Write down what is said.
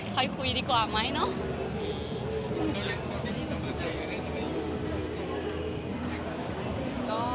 คุยดีกว่าไหมเนาะ